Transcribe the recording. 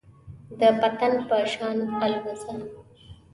د پتنګ په شان الوځه .